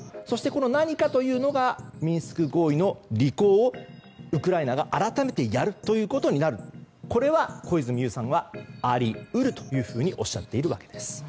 そして、何かというのがミンスク合意の履行をウクライナが改めてやるということになるこれは、小泉悠さんはあり得るとおっしゃっているわけです。